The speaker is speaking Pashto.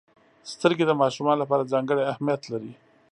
• سترګې د ماشومانو لپاره ځانګړې اهمیت لري.